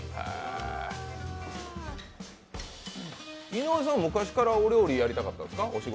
井上さんは昔からお仕事としてお料理やりたかったんですか？